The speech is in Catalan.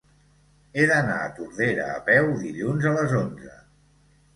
He d'anar a Tordera a peu dilluns a les onze.